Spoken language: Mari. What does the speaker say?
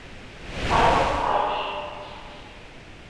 Староста кайыш.